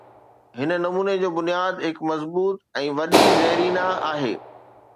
هن نموني جو بنياد هڪ مضبوط ۽ وڏي زيربنا آهي.